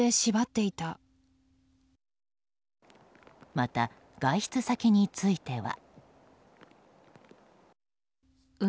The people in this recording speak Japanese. また、外出先については。